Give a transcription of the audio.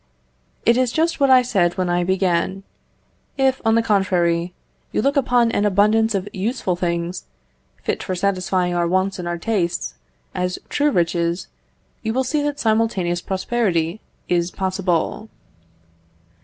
It is just what I said when I began. If, on the contrary, you look upon an abundance of useful things, fit for satisfying our wants and our tastes, as true riches, you will see that simultaneous prosperity is possible.